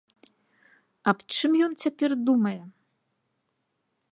Аб чым ён цяпер думае?